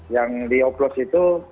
yang dioplos itu